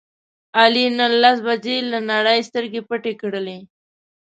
علي نن لس بجې له نړۍ سترګې پټې کړلې.